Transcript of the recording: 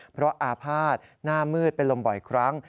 เพราะอาภาษณ์หน้ามืดเป็นลมบ่อยครั้ง